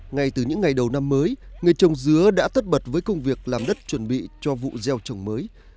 ngay từ những ngày đầu năm mới người trồng dứa đã tất bật với công việc làm đất chuẩn bị cho vụ gieo trồng mới